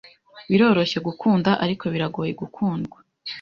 Biroroshye gukunda, ariko biragoye gukundwa.